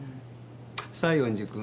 西園寺君。